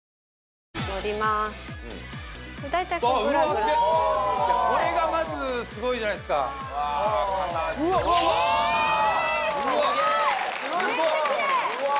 すげえこれがまずすごいじゃないすか片足うわ！